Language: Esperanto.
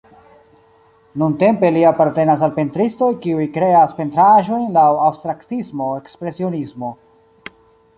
Nuntempe li apartenas al pentristoj, kiuj kreas pentraĵojn laŭ abstraktismo-ekspresionismo.